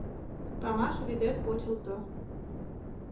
Памаш вӱдет почылто